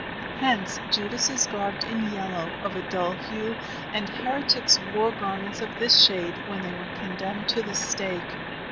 Hence Judas is garbed in yellow of a dull hue, and heretics wore garments of this shade when they were condemned to the stake.